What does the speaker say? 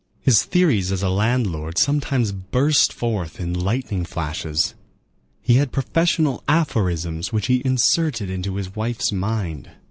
His theories as a landlord sometimes burst forth in lightning flashes. He had professional aphorisms, which he inserted into his wife's mind.